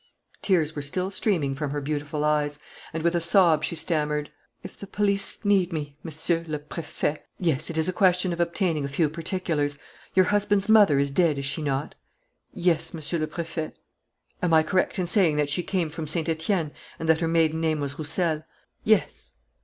Tears were still streaming from her beautiful eyes; and, with a sob, she stammered: "If the police need me, Monsieur le Préfet " "Yes, it is a question of obtaining a few particulars. Your husband's mother is dead, is she not?" "Yes, Monsieur le Préfet." "Am I correct in saying that she came from Saint Etienne and that her maiden name was Roussel?" "Yes."